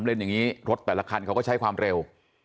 เล่นอย่างนี้รถแต่ละคันเขาก็ใช้ความเร็ว